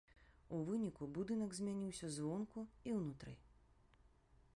У выніку будынак змяніўся звонку і ўнутры.